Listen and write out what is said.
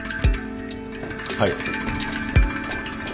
はい。